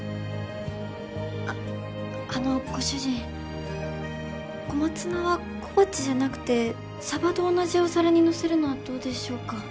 ああのご主人コマツナは小鉢じゃなくてサバと同じお皿にのせるのはどうでしょうか？